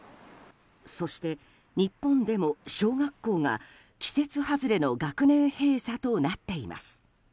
そして日本でも小学校が季節外れの学年閉鎖となっています。